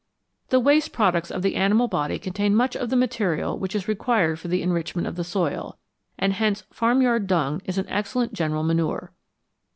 The waste products of the animal body contain much of the material which is required for the enrichment of the soil, and hence farmyard dung is an excellent general manure.